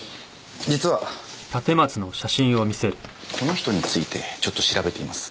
実はこの人についてちょっと調べています。